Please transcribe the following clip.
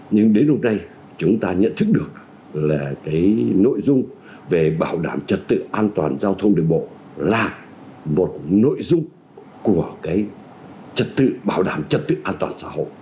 nhưng đến lúc này chúng ta nhận thức được là cái nội dung về bảo đảm trật tự an toàn giao thông đường bộ là một nội dung của cái trật tự bảo đảm trật tự an toàn xã hội